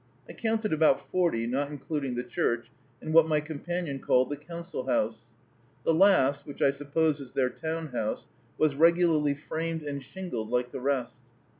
I counted about forty, not including the church and what my companion called the council house. The last, which I suppose is their town house, was regularly framed and shingled like the rest.